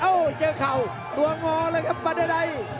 โอ้โหเจอเข่าตัวงอเลยครับบาร์เดอร์ไดท์